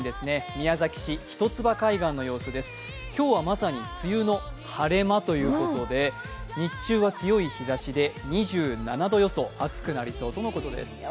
宮崎市一ツ葉海岸の様子です、今日はまさに梅雨の晴れ間ということで日中は強い日ざしで、２７度予想暑くなりそうとのことです。